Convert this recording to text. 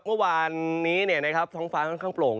เมื่อวานนี้เนี่ยนะครับท้องฟ้าค่อนข้างโปร่ง